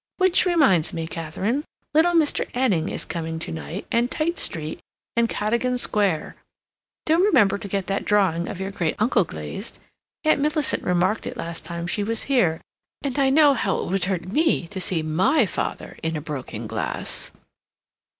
Which reminds me, Katharine, little Mr. Anning is coming to night, and Tite Street, and Cadogan Square.... Do remember to get that drawing of your great uncle glazed. Aunt Millicent remarked it last time she was here, and I know how it would hurt me to see my father in a broken glass."